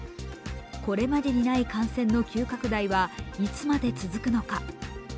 これまでにない感染の急拡大はいつまで続くのか。